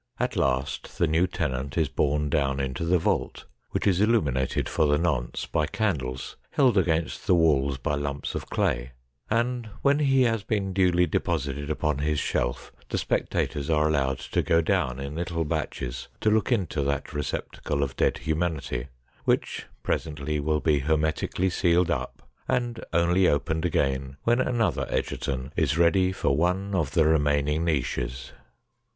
At last the new tenant is borne down into the vault, which is illuminated for the nonce by candles, held against the walls by lumps of clay, and when he has been duly deposited upon his shelf the spectators are allowed to go down in little batches to look into that receptacle of dead humanity, which presently will be hermetically sealed up, and only opened again when another Egerton is ready for one of the remaining niches.